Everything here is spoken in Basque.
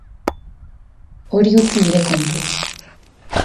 Hori utzi nire kontu.